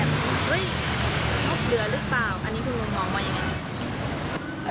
อันนี้คุณมองไว้อย่างไร